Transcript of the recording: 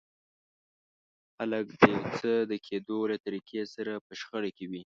خلک د يو څه د کېدو له طريقې سره په شخړه کې وي.